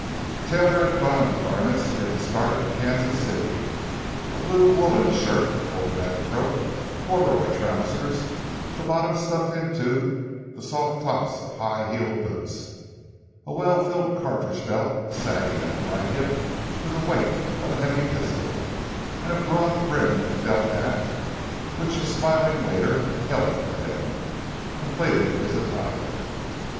Taylor had donned the garments he had discarded in Kansas City. A blue woolen shirt, open at the throat; corduroy trousers, the bottoms stuffed into the soft tops of high heeled boots; a well filled cartridge belt, sagging at the right hip with the weight of a heavy pistol—and a broad brimmed felt hat, which a smiling waiter held for him—completed his attire.